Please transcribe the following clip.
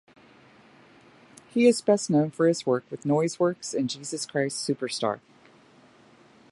He is best known for his work with Noiseworks and Jesus Christ Superstar.